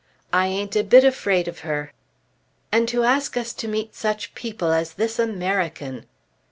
"I ain't a bit afraid of her." "And to ask us to meet such people as this American!"